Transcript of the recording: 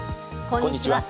こんにちは。